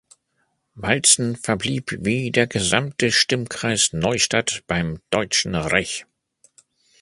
Walzen verblieb wie der gesamte Stimmkreis Neustadt beim Deutschen Reich.